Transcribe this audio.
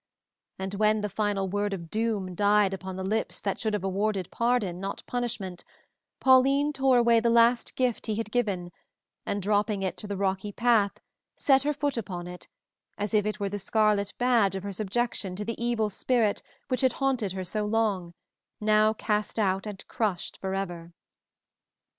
And when the final word of doom died upon the lips that should have awarded pardon, not punishment, Pauline tore away the last gift he had given, and dropping it to the rocky path, set her foot upon it, as if it were the scarlet badge of her subjection to the evil spirit which had haunted her so long, now cast out and crushed forever.